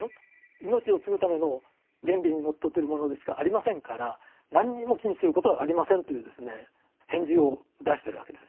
命を継ぐための原理にのっとってるものでしかありませんから何にも気にすることはありませんという返事を出してるわけですよ。